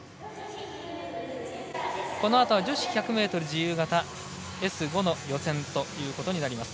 このあとは女子１００ｍ自由形Ｓ５の予選ということになります。